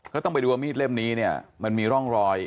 ต้องไปดูว่ามีดเล่มนี้เนี่ยมันมีร่องรอย